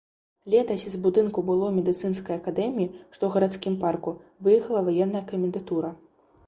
Летась з будынку былой медыцынскай акадэміі, што ў гарадскім парку, выехала ваенная камендатура.